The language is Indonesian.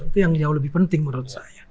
itu yang jauh lebih penting menurut saya